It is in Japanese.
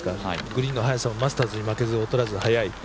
グリーンの速さもマスターズに負けず劣らず速い。